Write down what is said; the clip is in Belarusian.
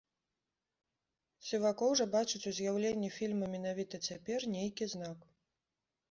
Сівакоў жа бачыць у з'яўленні фільма менавіта цяпер нейкі знак.